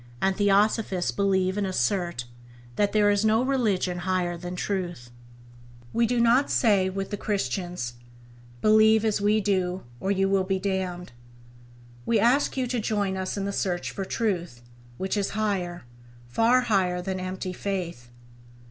And Theosophists believe and assert that " There is no religion higher than Truth". We do not say, with the Christians: " Believe as we do, or you will be damned". We ask you to join us in the search for Truth, which is higher, far higher than empty faith.